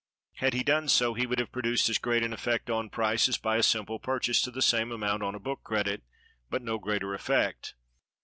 Had he done so, he would have produced as great an effect on price as by a simple purchase to the same amount on a book credit, but no greater effect.